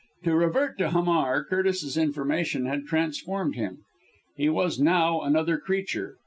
To revert to Hamar. Curtis's information had transformed him. He was, now, another creature.